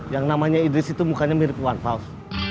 yang namanya idris itu mukanya mirip iwan pals